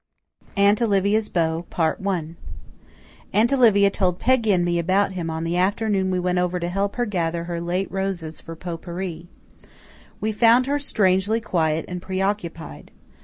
Aunt Olivia's Beau Aunt Olivia told Peggy and me about him on the afternoon we went over to help her gather her late roses for pot pourri. We found her strangely quiet and preoccupied.